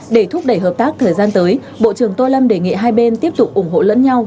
để thúc đẩy hợp tác thời gian tới bộ trưởng tô lâm đề nghị hai bên tiếp tục ủng hộ lẫn nhau